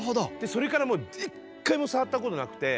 それからもう一回も触ったことなくて。